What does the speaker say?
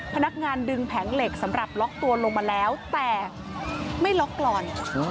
พนักงานดึงแผงเหล็กสำหรับล็อกตัวลงมาแล้วแต่ไม่ล็อกกรอน